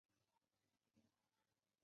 浙江乡试中举。